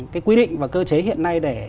cái quy định và cơ chế hiện nay để